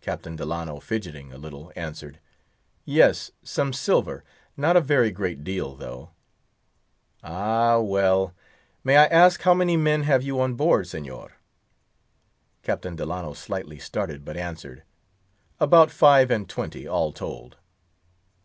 Captain Delano, fidgeting a little, answered— "Yes; some silver; not a very great deal, though." "Ah—well. May I ask how many men have you, Señor?" Captain Delano slightly started, but answered— "About five and twenty, all told."